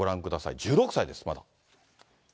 １６歳です、まだ。